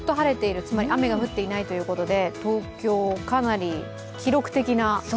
つまり雨が降っていないということで東京、かなり記録的な。